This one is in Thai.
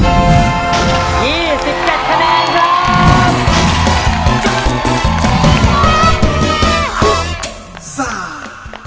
๒๗คะแนนครับ